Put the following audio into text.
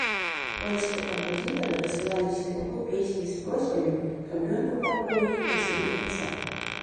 Польскія кампазітары дасылалі спеваку песні з просьбамі, каб ён выконваў іх на сваіх канцэртах.